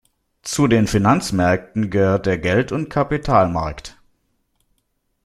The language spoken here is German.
Zu den Finanzmärkten gehört der Geld- und der Kapitalmarkt.